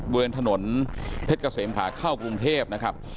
บริเวณถนนเพชรเกษมขาเข้ากรุงเทพนะครับ